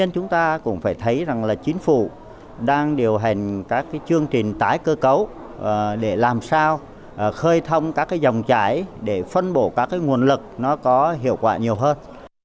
chính phủ đang điều hành các chương trình tái cơ cấu để làm sao khơi thông các dòng trải để phân bổ các nguồn lực nó có hiệu quả nhiều hơn